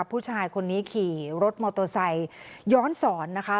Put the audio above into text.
ผู้ชายคนนี้ขี่รถมอเตอร์ไซค์ย้อนสอนนะคะ